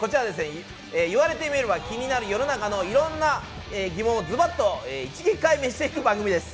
言われてみれば気になる世の中の疑問をズバッと一撃解明していく番組です。